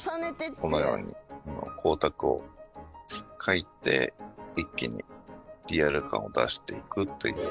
このように光沢を描いて一気にリアル感を出していくという。